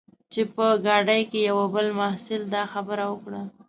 چې په ګاډۍ کې یوه بل محصل دا خبره وکړه.